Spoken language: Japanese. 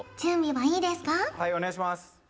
はいお願いします